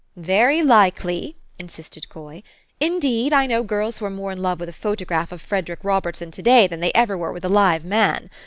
"Very likely," insisted Coy. "Indeed, I know girls who are more in love with a photograph of Frederick Robertson to day than they ever were with a live man.